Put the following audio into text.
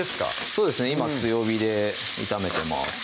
そうですね今強火で炒めてます